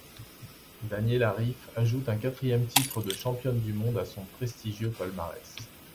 Daniela Ryf ajoute un quatrième titre de championne du monde à son prestigieux palmarès.